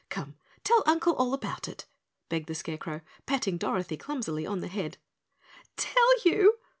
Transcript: "Come, tell uncle all about it," begged the Scarecrow, patting Dorothy clumsily on the head. "Tell you!"